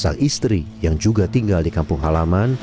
sang istri yang juga tinggal di kampung halaman